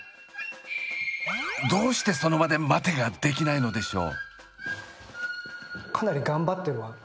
どうしてその場で待てができないのでしょう？